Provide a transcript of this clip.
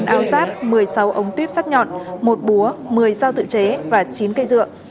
bốn ao sát một mươi sáu ống tuyếp sắt nhọn một búa một mươi dao tự chế và chín cây dựa